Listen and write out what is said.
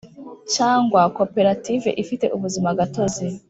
cyangwa koperative ifite ubuzima gatozi